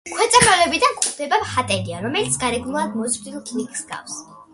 ქვეწარმავლებიდან გვხვდება ჰატერია, რომელიც გარეგნულად მოზრდილ ხვლიკს ჰგავს.